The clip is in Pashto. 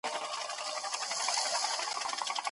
اوکاډو د کولمو لپاره ګټور دی.